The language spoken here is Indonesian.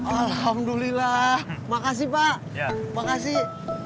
alhamdulillah makasih pak makasih